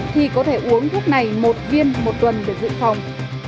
thì có thể uống thuốc này một viên một tuần để dự phòng